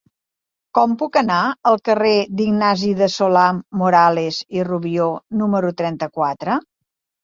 Com puc anar al carrer d'Ignasi de Solà-Morales i Rubió número trenta-quatre?